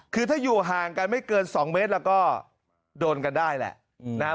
คือถ้าอยู่ห่างกันไม่เกิน๒เมตรแล้วก็โดนกันได้แหละนะครับ